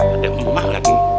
ada yang membunuh mak lagi